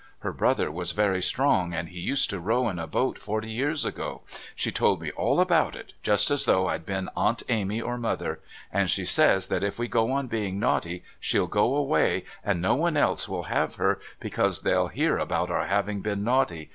Her brother was very strong, and he used to row in a boat forty years ago. She told me all about it, just as though I'd been Aunt Amy or Mother. And she says that if we go on being naughty she'll go away, and no one else will have her, because they'll hear about our having been naughty.